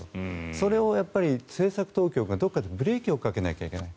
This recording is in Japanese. それを政策当局がどこかでブレーキをかけなきゃいけない。